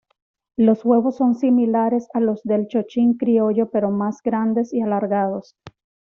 Los huevos son similares a los del chochín criollo, pero más grandes y alargados.